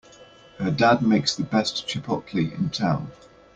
Her dad makes the best chipotle in town!